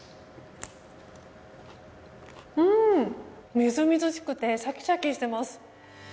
みずみずしくてシャキシャキしています。